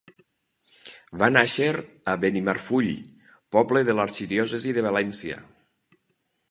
Va nàixer a Benimarfull, poble de l'arxidiòcesi de València.